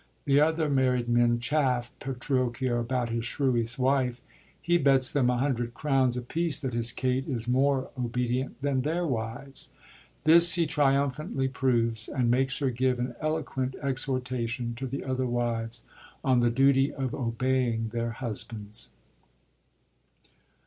The other married men chaff Petruchio about his shrewish wife. He bets th^n a hundred crowns apiece that his Kate is more obedient than their wives. This he triumphantly proves, and makes her give an eloquent exhortation to the others' wives on the duty of obeying their husbands.